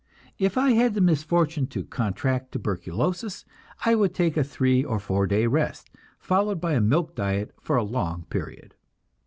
If I had the misfortune to contract tuberculosis, I would take a three or four day fast, followed by a milk diet for a long period.